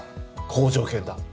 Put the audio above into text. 好条件だ